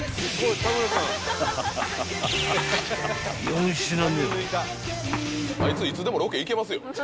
［４品目は］